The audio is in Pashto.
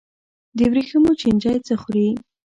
د ورېښمو چینجی څه خوري؟